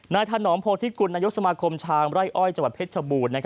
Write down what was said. ถนอมโพธิกุลนายกสมาคมชาวไร่อ้อยจังหวัดเพชรชบูรณ์